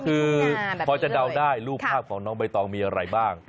คือพอจะเดาได้รูปภาพของน้องใบตองมีอะไรบ้าง